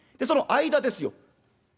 その間ですよ。